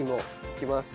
いきます。